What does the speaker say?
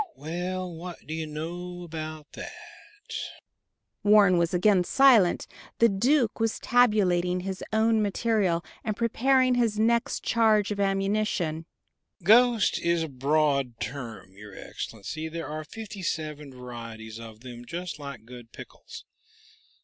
"Well, what do you know about that?" Warren was again silent. The Duke was tabulating his own material and preparing his next charge of ammunition. "Ghost is a broad term, your Excellency. There are fifty seven varieties of them, just like good pickles.